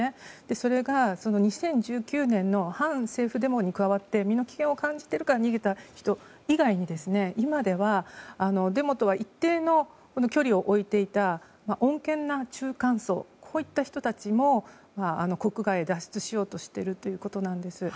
それが２０１９年の反政府デモに加わって身の危険を感じているから逃げた人以外に今ではデモとは一定の距離を置いていた穏健な中間層こういった人たちも国外に脱出しようとしているということなんです。